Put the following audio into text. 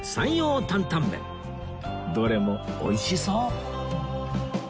どれもおいしそう